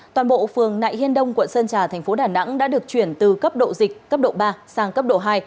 toàn bộ phường nại hiên đông quận sơn trà thành phố đà nẵng đã được chuyển từ cấp độ dịch cấp độ ba sang cấp độ hai